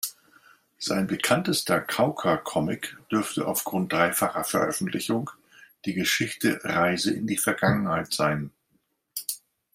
Sein bekanntester Kauka-Comic dürfte aufgrund dreifacher Veröffentlichung die Geschichte „Reise in die Vergangenheit“ sein.